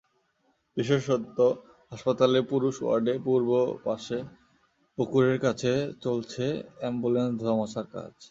বিশেষত হাসপাতালের পুরুষ ওয়ার্ডের পূর্ব পাশে পুকুরের কাছে চলছে অ্যাম্বুলেন্স ধোয়া-মোছার কাজ।